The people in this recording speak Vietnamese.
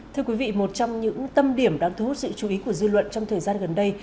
thưa quý vị một trong những tâm điểm đang thu hút sự chú ý của dư luận trong thời gian gần đây